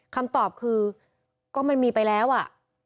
คำตอบคือก็มันมีไปแล้วอ่ะ